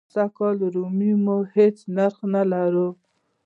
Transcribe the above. سږ کال د وطن رومي هېڅ نرخ نه لري.